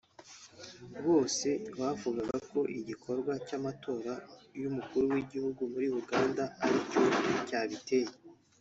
bose bavugaga ko igikorwa cy’amatora y’Umukuru w’Igihugu muri Uganda ari cyo cyabiteye